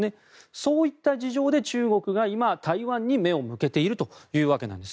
そういった事情で中国が今、台湾に目を向けているというわけなんです。